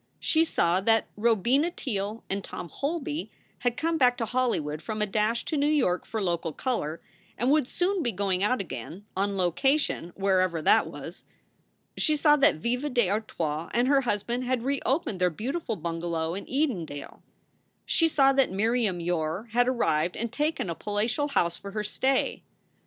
She saw that Robina Teele and Tom Holby had come back to Holly wood from a dash to New York for local color, and would soon be going out again "on location," wherever that was. She saw that Viva d Artois and her husband had reopened their beautiful bungalow in Edendale. She saw that Miriam Yore had arrived and taken a palatial house for her stay.